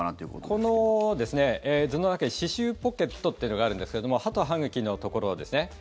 この図の中に歯周ポケットというのがあるんですけども歯と歯茎のところですね。